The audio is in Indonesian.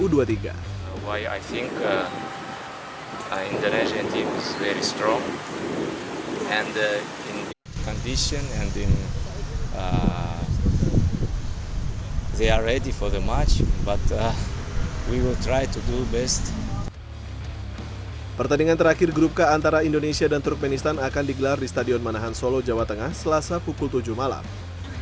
dan setelah pertandingan terakhir grup k antara indonesia dan turkmenistan akan digelar di stadion manahan solo jawa tengah selasa pukul tujuh malam